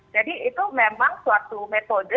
jadi itu memang suatu metode